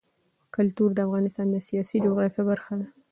کلتور د افغانستان د سیاسي جغرافیه برخه ده.